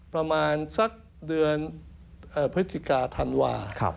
ประมาณสักเดือนพฤศจิกาธันวา